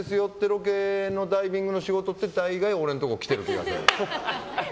ロケのダイビングの仕事って大概俺のところ来てる気がする。